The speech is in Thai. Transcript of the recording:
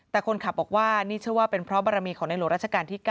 แต่คนขับบอกว่านี่เชื่อว่าเป็นเพราะบารมีของในหลวงราชการที่๙